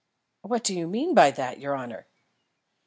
"What do you mean by that, your honour?"